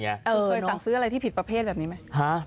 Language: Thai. เคยสั่งซื้ออะไรที่ผิดประเภทแบบนี้ไหม